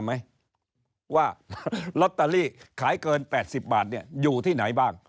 ไหมว่าลอตเตอรี่ขายเกิน๘๐บาทเนี่ยอยู่ที่ไหนบ้าง